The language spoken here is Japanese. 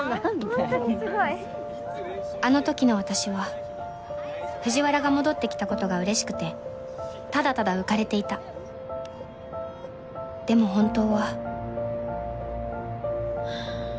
・ホントにすごい・あの時の私は藤原が戻ってきたことがうれしくてただただ浮かれていたでも本当はハァ。